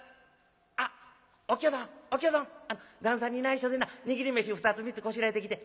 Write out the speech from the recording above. あっお清どんお清どん旦さんにないしょでな握り飯２つ３つこしらえてきて。